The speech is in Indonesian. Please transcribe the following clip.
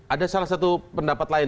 ada salah satu pendapat lain